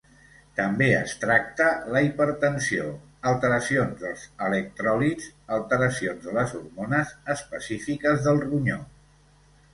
També es tracta la hipertensió, alteracions dels electròlits, alteracions de les hormones específiques del ronyó.